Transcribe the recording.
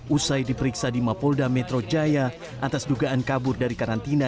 usai diperiksa di mapolda metro jaya atas dugaan kabur dari karantina